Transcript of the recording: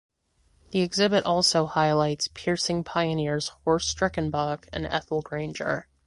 The exhibit also highlights piercing pioneers Horst Streckenbach and Ethel Granger.